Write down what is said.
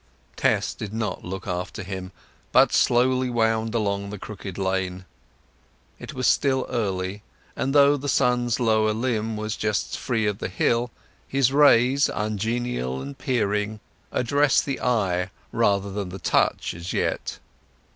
Tess did not look after him, but slowly wound along the crooked lane. It was still early, and though the sun's lower limb was just free of the hill, his rays, ungenial and peering, addressed the eye rather than the touch as yet.